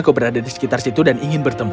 kau berada di sekitar situ dan ingin bertemu